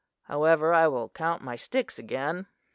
However, I will count my sticks again."